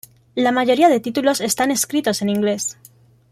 La mayoría de títulos están escritos en ingles.